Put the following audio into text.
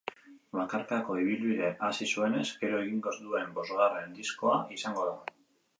Bakarkako ibilbide hasi zuenez gero egingo duen bosgarren diskoa izango da.